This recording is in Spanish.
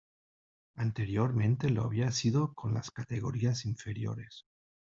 Anteriormente lo había sido con las categorías inferiores.